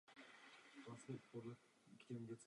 Palisty jsou většinou opadavé.